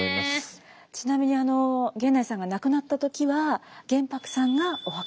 ちなみに源内さんが亡くなった時は玄白さんがお墓をつくったそうです。